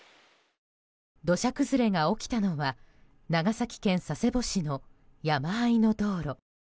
土砂崩れが起きたのは長崎県佐世保市の山あいの道路。